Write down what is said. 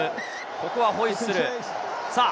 ここはホイッスル。